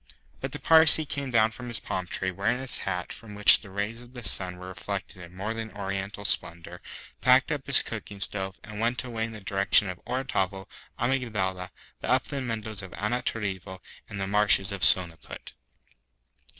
But the Parsee came down from his palm tree, wearing his hat, from which the rays of the sun were reflected in more than oriental splendour, packed up his cooking stove, and went away in the direction of Orotavo, Amygdala, the Upland Meadows of Anantarivo, and the Marshes of Sonaput.